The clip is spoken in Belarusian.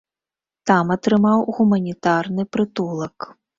Там атрымаў гуманітарны прытулак.